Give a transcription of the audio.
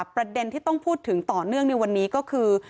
ประเด็นที่ต้องพูดถึงต่อเนื่องในวันนี้ก็คือ